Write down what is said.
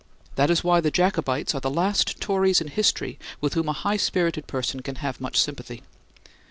That is why the Jacobites are the last Tories in history with whom a high spirited person can have much sympathy.